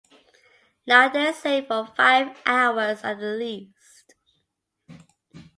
Now they're safe for five hours at the least.